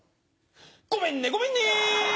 ごめんねごめんね！